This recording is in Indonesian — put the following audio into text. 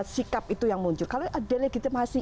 sikap itu yang muncul kalau ada delegitimasi